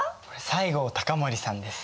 西郷隆盛さんです。